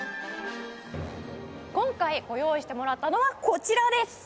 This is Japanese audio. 今回ご用意してもらったのはこちらです！